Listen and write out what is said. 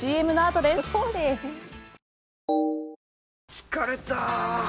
疲れた！